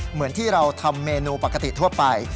เหมือนที่เราทำเมนูปกติทั่วไป